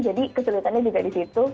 jadi kesulitannya juga di situ